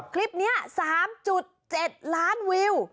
คลิปนี้๓๗ล้านวิว